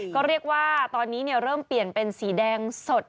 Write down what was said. ก็เรียกว่าตอนนี้เริ่มเปลี่ยนเป็นสีแดงสด